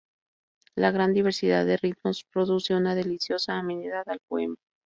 La gran diversidad de ritmos produce una deliciosa amenidad al poema.